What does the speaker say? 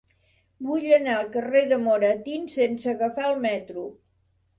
Vull anar al carrer de Moratín sense agafar el metro.